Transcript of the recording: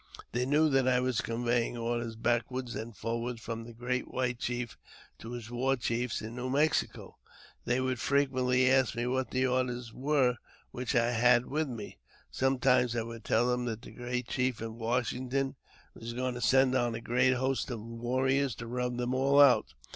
They knew that I was conveying orders backward and forward from the great white chief to his war chiefs in New Mexico. They would frequently ask me what the orders were which I had with me. Sometimes I would tell them that the great white chief at Washington was going to send on a great host of warriors to rub them all out.